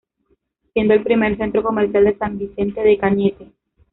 Siendo el primer centro comercial de San Vicente de Cañete.